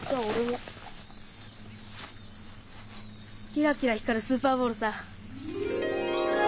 キラキラ光るスーパーボールさ。